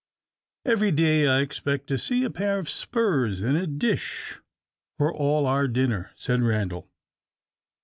"Every day I expect to see a pair of spurs in a dish for all our dinner," said Randal.